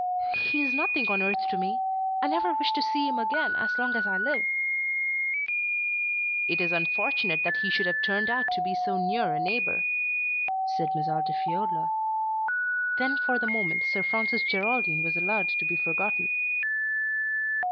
"He is nothing on earth to me. I never wish to see him again as long as I live." "It is unfortunate that he should have turned out to be so near a neighbour," said Miss Altifiorla. Then for the moment Sir Francis Geraldine was allowed to be forgotten.